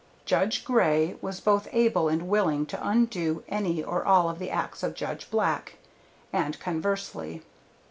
Judge Grey was both able and willing to undo any or all of the acts of Judge Black, and conversely.